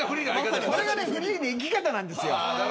これがフリーの生き方なんですよ。